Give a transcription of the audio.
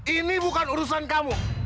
ini bukan urusan kamu